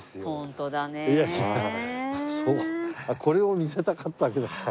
これを見せたかったわけだ。